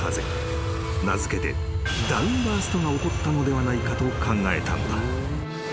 ［名付けてダウンバーストが起こったのではないかと考えたのだ］